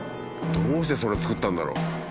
どうしてそれを作ったんだろう？